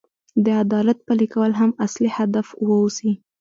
د عدالت پلي کول هم اصلي هدف واوسي.